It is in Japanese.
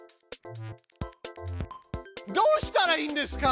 どうしたらいいんですか？